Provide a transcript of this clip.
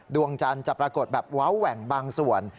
ดวงจันทร์จะปรากฏแบบเว้าแหว่งบางส่วน